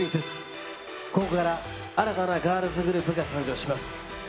ここから新たなガールズグループが誕生します。